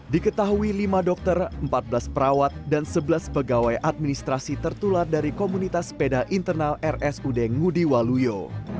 diketahui lima dokter empat belas perawat dan sebelas pegawai administrasi tertular dari komunitas sepeda internal rsud ngudi waluyo